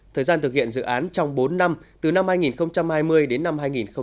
thời gian thực hiện dự án trong bốn năm từ năm hai nghìn hai mươi đến năm hai nghìn hai mươi